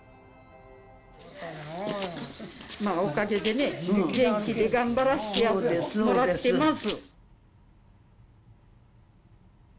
まあおかげでね元気で頑張らしてもらってます